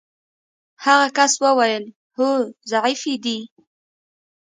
هغه کس وویل: هو ضعیفې دي.